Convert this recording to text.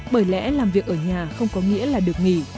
bởi lẽ làm việc ở nhà không có nghĩa là được nghỉ